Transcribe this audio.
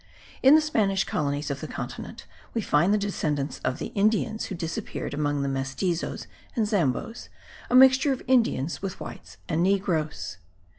In the Spanish colonies of the continent, we find the descendants of the Indians who disappear among the mestizos and zambos, a mixture of Indians with whites and negroes.